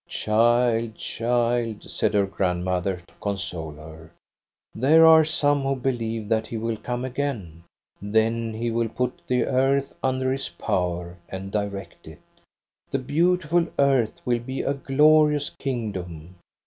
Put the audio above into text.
""* Child, child,' said her grandmother, to console her. There are some who believe that he will come again. Then he will put the earth under his power and direct it. The beautiful earth will be a glorious kingdom.